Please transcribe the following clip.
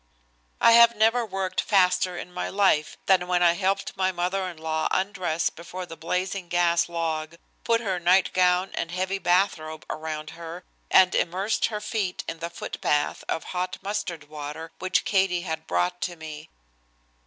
I have never worked faster in my life than when I helped my mother in law undress before the blazing gas log, put her nightgown and heavy bathrobe around her and immersed her feet in the foot bath of hot mustard water which Katie had brought to me.